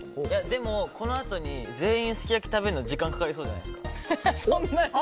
でも、このあとに全員すき焼き食べるの時間がかかりそうじゃないですか。